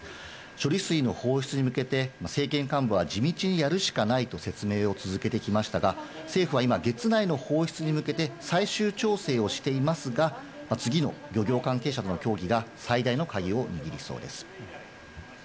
処理水の放出に向けて、政権幹部は、地道にやるしかないと説明を続けてきましたが、政府は今、月内の放出に向けて最終調整をしていますが、次の漁業関係者との協議が最大の鍵を握りそうです。